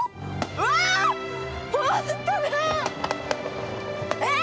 うわっ！